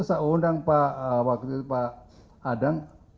saya undang pak adang